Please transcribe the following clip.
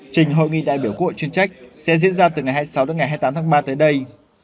trình hội nghị đại biểu quốc hội chuyên trách sẽ diễn ra từ ngày hai mươi sáu đến ngày hai mươi tám tháng ba tới đây